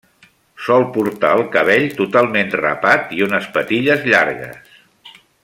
Sol portar el cabell totalment rapat i unes patilles llargues.